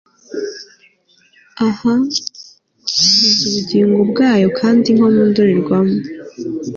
Ah subiza ubugingo bwayo kandi nko mu ndorerwamo